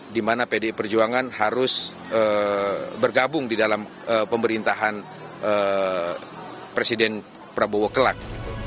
di mana pdi perjuangan harus bergabung di dalam pemerintahan presiden prabowo kelak